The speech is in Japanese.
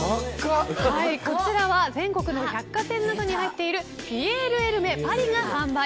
こちらは全国の百貨店などに入っているピエール・エルメ・パリが販売。